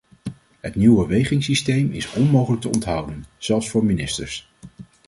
Het nieuwe wegingssysteem is onmogelijk te onthouden, zelfs voor ministers.